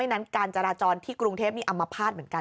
นั้นการจราจรที่กรุงเทพนี่อัมพาตเหมือนกัน